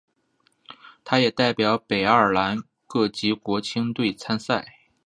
他也代表北爱尔兰各级国青队参赛。